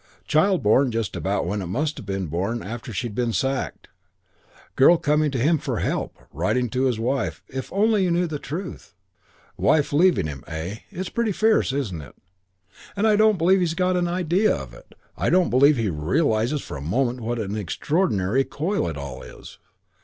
Child born just about when it must have been born after she'd been sacked. Girl coming to him for help. Writing to his wife, 'If only you knew the truth.' Wife leaving him. Eh? It's pretty fierce, isn't it? And I don't believe he's got an idea of it. I don't believe he realises for a moment what an extraordinary coil it all is.